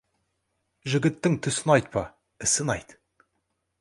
Жігіттің түсін айтпа, ісін айт.